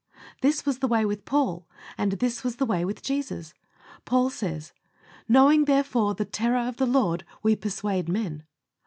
This was the way with Paul, and this was the way with Jesus. Paul says: "Knowing, therefore, the terror of the Lord, we persuade men."